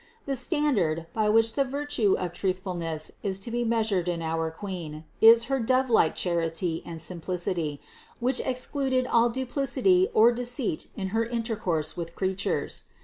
The standard, by which the virtue of truthfulness is to be measured in our Queen, is her dove like charity and simplicity, which excluded all duplicity or deceit in her intercourse with creatures.